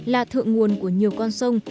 là thượng nguồn của nhiều con sông